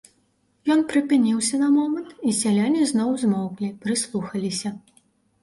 Ён прыпыніўся на момант, і сяляне зноў змоўклі, прыслухаліся.